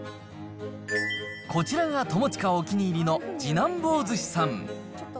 こちらが友近お気に入りの次男坊寿司さん。